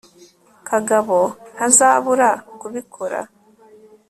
kagabo ntazabura kubikora